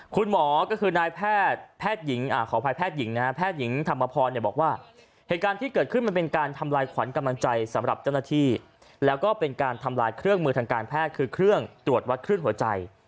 คุณหมอก็คือนายแพทย์หญิงขออภัยแพทย์หญิงนะฮะแพทย์หญิงธรรมพรบอกว่าเหตุการณ์ที่เกิดขึ้นมันเป็นการทำลายขวัญกำลังใจสำหรับเจ้าหน้าที่แล้วก็เป็นการทำลายเครื่องมือทางการแพทย์คือเครื่องตรวจวัดเครื่องหัวใจ